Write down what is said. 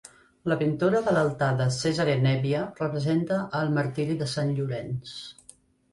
La pintura de l'altar de Cesare Nebbia representa el martiri de Sant Llorenç.